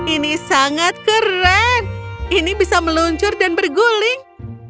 ini sangat keren ini bisa meluncur dan berguling